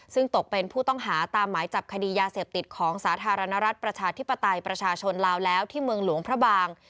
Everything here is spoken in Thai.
ซึ่งตกเป็นผู้ต้องหาตามหมายจับคดียาเสพติดของสาธารณรัฐประชาธิปไตยประชาชนลาวแล้วที่เมืองหลวงพระบาง